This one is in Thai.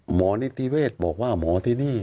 หมอนิติเวศบอกว่าหมอที่นี่